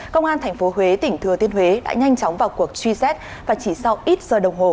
công an tp huế tỉnh thừa tiên huế đã nhanh chóng vào cuộc truy xét và chỉ sau ít giờ đồng hồ